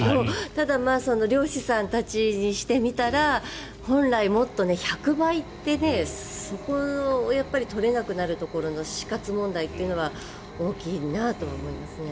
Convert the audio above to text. ただ、漁師さんたちにしてみたら本来もっと、１００倍ってねそこを取れなくなってくるところの死活問題というのは大きいなとは思いますね。